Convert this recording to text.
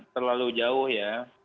terlalu jauh ya